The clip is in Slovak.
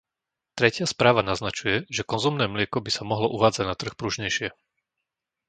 Tretia správa naznačuje, že konzumné mlieko by sa mohlo uvádzať na trh pružnejšie.